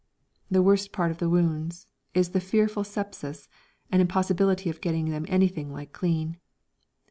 The worst part of the wounds is the fearful sepsis and the impossibility of getting them anything like clean.